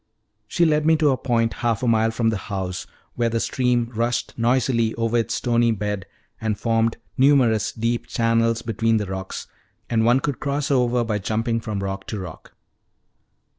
She led me to a point, half a mile from the house, where the stream rushed noisily over its stony bed and formed numerous deep channels between the rocks, and one could cross over by jumping from rock to rock.